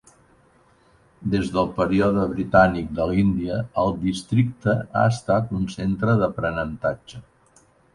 Des del període britànic de l'Índia, el districte ha estat un centre d'aprenentatge.